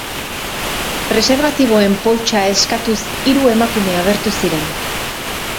Preserbatiboen poltsa eskatuz hiru emakume agertu ziren.